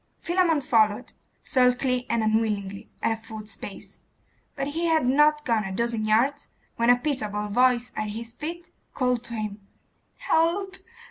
Philammon followed, sulkily and unwillingly, at a foot's pace; but he had not gone a dozen yards when a pitiable voice at his feet called to him 'Help!